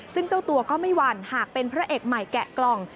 ซึ่งเจ้าตัวก็ไม่หวั่นหากเป็นพระเอกใหม่แกะกล่อง